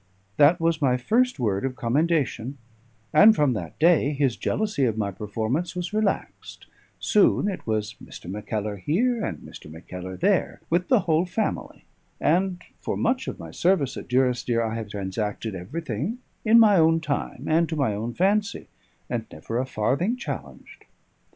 That was my first word of commendation; and from that day his jealousy of my performance was relaxed; soon it was "Mr. Mackellar" here, and "Mr. Mackellar" there, with the whole family; and for much of my service at Durrisdeer I have transacted everything at my own time, and to my own fancy, and never a farthing challenged.